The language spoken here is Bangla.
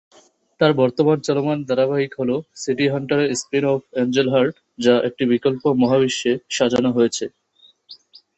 তার বর্তমান চলমান ধারাবাহিক হল সিটি হান্টারের স্পিন-অফ অ্যাঞ্জেল হার্ট, যা একটি বিকল্প মহাবিশ্বে সাজানো হয়েছে।